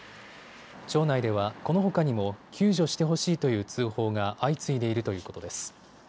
町内ではこのほかにも救助してほしいという通報が相次いでいるということです。